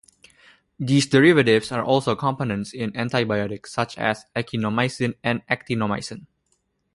These derivatives are also components in antibiotics such as echinomycin and actinomycin.